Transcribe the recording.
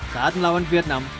saat melawan vietnam